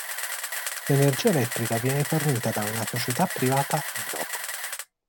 L'energia elettrica viene fornita da una società privata in loco.